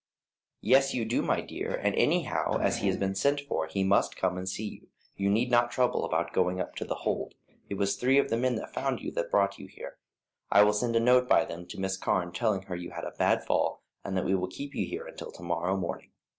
"Yes, you do, my dear, and anyhow as he has been sent for he must come and see you; you need not trouble about going up to The Hold, it was three of the men there that found you and brought you down; I will send a note by them to Miss Carne telling her you had a bad fall, and that we will keep you here until to morrow morning.